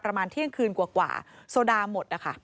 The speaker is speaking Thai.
ประมาณเที่ยงคืนกว่ากว่าโซดาหมด